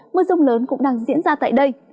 mưa rông lớn cũng đang diễn ra tại đây